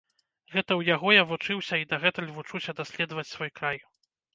Гэта ў яго я вучыўся і дагэтуль вучуся даследаваць свой край.